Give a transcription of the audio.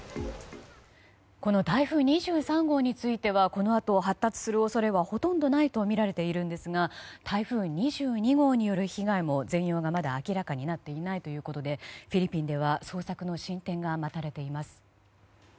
この台風２３号についてはこのあと、発達する恐れはほとんどないとみられているんですが台風２２号による被害も全容がまだ明らかになっていないということでフィリピンでは捜索の進展が待たれています。